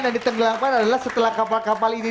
dan ditenggelamkan adalah setelah kapal kapal ini